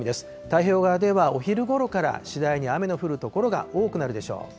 太平洋側ではお昼ごろから次第に雨の降る所が多くなるでしょう。